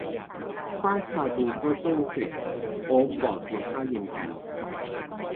ฟาดชาบูก็โต้งเสร็จ โอ๊บบอกกินข้าวเย็นกัน